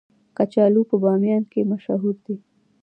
کچالو په بامیان کې مشهور دي